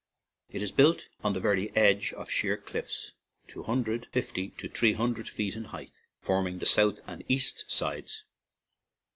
It is built on the very edge of sheer cliffs, two hundred and fifty to three hun dred feet in height, forming the south and east sides.